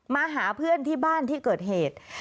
มาหาเพื่อนที่บ้านที่เกิดเหตุ